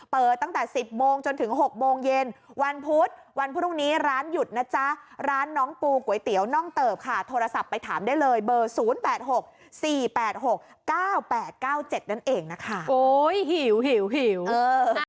เปิดตั้งแต่สิบโมงจนถึงหกโมงเย็นวันพุธวันพรุ่งนี้ร้านหยุดนะจ๊ะร้านน้องปูก๋วยเตี๋ยวน่องเติบค่ะโทรศัพท์ไปถามได้เลยเบอร์ศูนย์แปดหกสี่แปดหกเก้าแปดเก้าเจ็ดนั่นเองนะคะโอ้ยหิวหิวหิวเออ